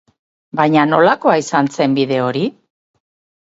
Baina nolakoa izan zen bide hori?